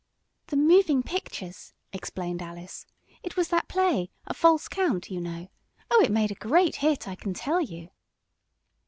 "The moving pictures," explained Alice. "It was that play, 'A False Count,' you know. Oh, it made a great hit, I can tell you!"